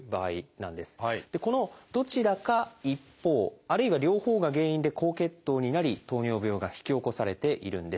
このどちらか一方あるいは両方が原因で高血糖になり糖尿病が引き起こされているんです。